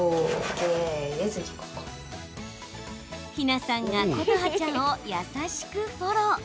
緋奈さんが琴花ちゃんを優しくフォロー。